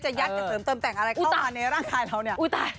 ยัดจะเสริมเติมแต่งอะไรเข้ามาในร่างกายเราเนี่ย